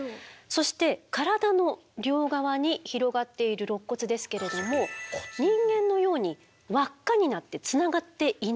そして体の両側に広がっているろっ骨ですけれども人間のように輪っかになってつながっていないんです。